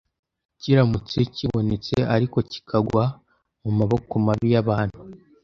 kiramutse kibonetse ariko kikagwa mu maboko mabi y’abantu